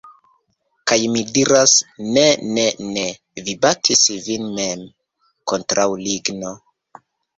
Kaj mi diras: "Ne ne ne! Vi batis vin mem! Kontraŭ ligno."